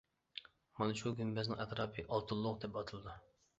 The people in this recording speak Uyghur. مانا شۇ گۈمبەزنىڭ ئەتراپى «ئالتۇنلۇق» دەپ ئاتىلىدۇ.